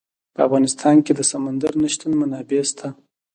په افغانستان کې د سمندر نه شتون منابع شته.